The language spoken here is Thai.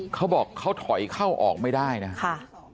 เขาบอกเขาถอยเข้าออกไม่ได้นะครับ